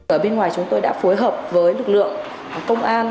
ở bên ngoài chúng tôi đã phối hợp với lực lượng công an